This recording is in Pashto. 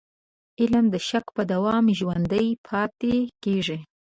علم د شک په دوام ژوندی پاتې کېږي.